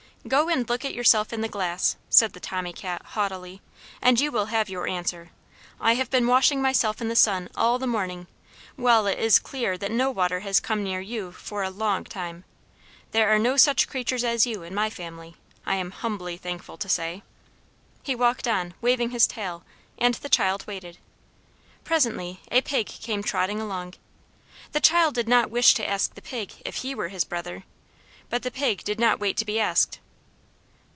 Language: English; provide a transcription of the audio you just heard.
"Go and look at yourself in the glass," said the Tommy Cat haughtily, "and you will have your answer. I have been washing myself in the sun all the morning, while it is clear that no water has come near you for a long time. There are no such creatures as you in my family, I am humbly thankful to say." He walked on, waving his tail, and the child waited. Presently a pig came trotting along. The child did not wish to ask the pig if he were his brother, but the pig did not wait to be asked.